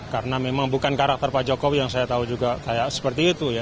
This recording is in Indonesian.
karena memang bukan karakter pak jokowi yang saya tahu juga seperti itu ya